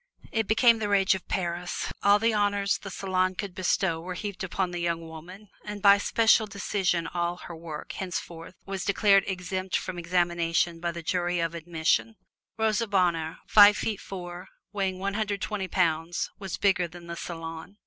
It became the rage of Paris. All the honors the Salon could bestow were heaped upon the young woman, and by special decision all her work henceforth was declared exempt from examination by the Jury of Admission. Rosa Bonheur, five feet four, weighing one hundred twenty pounds, was bigger than the Salon.